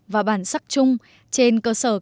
và bản sắc chung trên cơ sở các mục tiêu và nguyên liệu